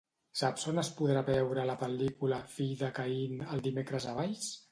Saps on es podrà veure la pel·lícula "Fill de Caín" el dimecres a Valls?